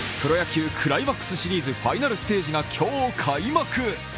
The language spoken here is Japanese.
プロ野球、クライマックスシリーズ・ファーストステージが今日開幕